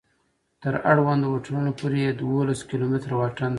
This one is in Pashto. تر اړوندو هوټلونو پورې یې دولس کلومتره واټن دی.